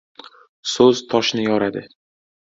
• So‘z toshni yoradi.